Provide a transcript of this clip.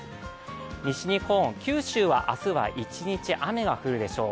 西日本、九州は明日は一日雨が降るでしょう。